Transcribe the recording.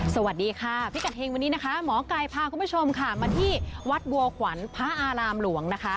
สวัสดีค่ะพิกัดเฮงวันนี้นะคะหมอไก่พาคุณผู้ชมค่ะมาที่วัดบัวขวัญพระอารามหลวงนะคะ